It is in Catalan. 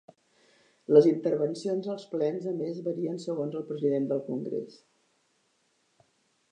Les intervencions als plens, a més, varien segons el president del congrés.